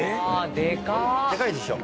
でかいでしょ？